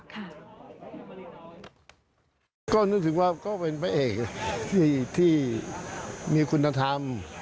ก็รู้สึกว่าก็เป็นพระเอกที่มีคุณธรรม